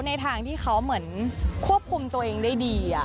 ในทางที่เขาเหมือนควบคุมตัวเองได้ดี